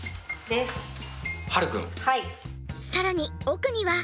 さらに奥には。